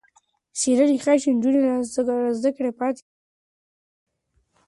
څېړنه ښيي چې نجونې له زده کړې پاتې کېږي.